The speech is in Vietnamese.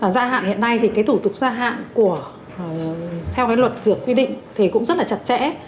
gia hạn hiện nay thì cái thủ tục gia hạn theo cái luật dược quy định thì cũng rất là chặt chẽ